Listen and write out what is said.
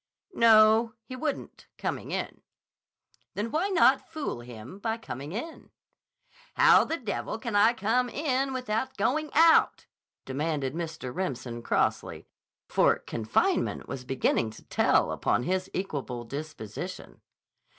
"No, he wouldn't, coming in." "Then why not fool him by coming in?" "How the devil can I come in without going out?" demanded Mr. Remsen crossly, for confinement was beginning to tell upon his equable disposition.